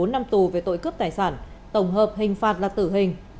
bốn năm tù về tội cướp tài sản tổng hợp hình phạt là tử hình